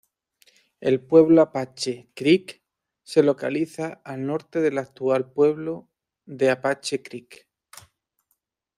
El Pueblo Apache Creek se localiza al norte del actual pueblo de Apache Creek.